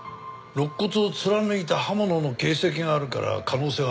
肋骨を貫いた刃物の形跡があるから可能性はあるな。